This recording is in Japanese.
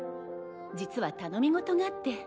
実は頼み事があって。